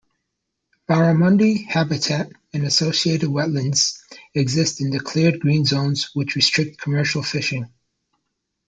Barramundi habitat and associated wetlands exist in declared green zones which restrict commercial fishing.